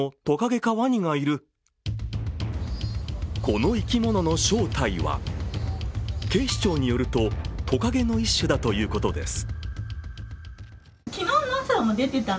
この生き物の正体は警視庁によるとトカゲの一種だということです。